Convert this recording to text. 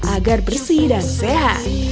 agar bersih dan sehat